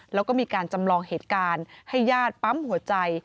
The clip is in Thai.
แล้วก็มีการจำลองเหตุการณ์ให้ญาติปั๊มหัวใจ